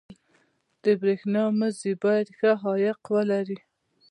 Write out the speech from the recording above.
• د برېښنا مزي باید ښه عایق ولري.